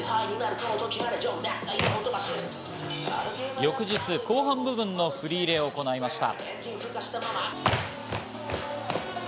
翌日、後半部分の振り入れを行いました。